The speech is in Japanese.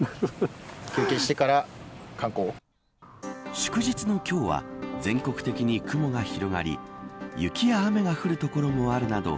祝日の今日は全国的に雲が広がり雪や雨が降る所もあるなど